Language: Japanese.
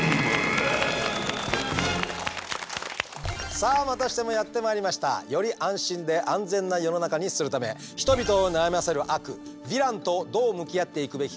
さあまたしてもやって参りましたより安心で安全な世の中にするため人々を悩ませる悪ヴィランとどう向き合っていくべきか。